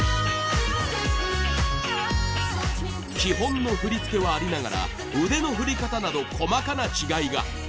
『Ｄｙｎａｍｉｔｅ』基本の振り付けはありながら腕の振り方など細かな違いが。